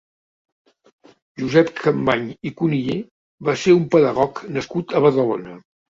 Josep Campmany i Cunillé va ser un pedagog nascut a Badalona.